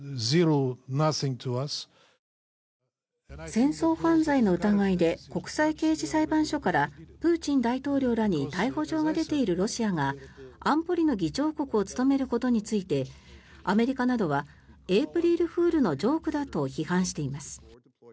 戦争犯罪の疑いで国際刑事裁判所からプーチン大統領らに逮捕状が出ているロシアが安保理の議長国を務めることについてアメリカなどはエープリルフールのジョークだと批判しています。